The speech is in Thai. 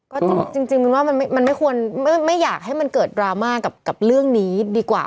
ก็จริงมินว่ามันไม่ควรไม่อยากให้มันเกิดดราม่ากับเรื่องนี้ดีกว่า